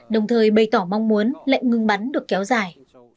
đồng thời bày tỏ mong muốn lệnh ngừng bắn được kéo dài